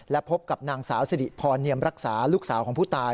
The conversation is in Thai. และพบกับนางสาวสิริพรเนียมรักษาลูกสาวของผู้ตาย